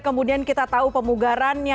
kemudian kita tahu pemugarannya